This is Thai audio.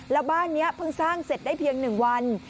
แล้วบ้านนี้เพิ่งสร้างเสร็จได้เพียง๑วัน